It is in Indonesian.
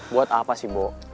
buat apa sih bo